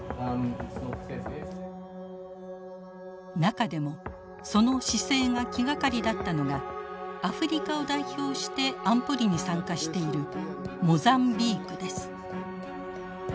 中でもその姿勢が気がかりだったのがアフリカを代表して安保理に参加しているモザンビークです。